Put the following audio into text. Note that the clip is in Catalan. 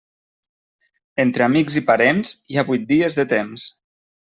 Entre amics i parents, hi ha vuit dies de temps.